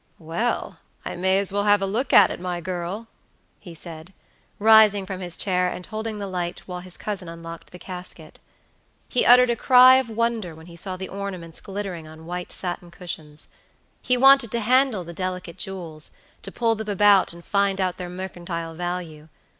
"Well, I may as well have a look at it, my girl," he said, rising from his chair and holding the light while his cousin unlocked the casket. He uttered a cry of wonder when he saw the ornaments glittering on white satin cushions. He wanted to handle the delicate jewels; to pull them about, and find out their mercantile value.